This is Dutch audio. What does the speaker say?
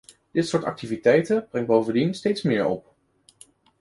Dit soort activiteiten brengt bovendien steeds meer op.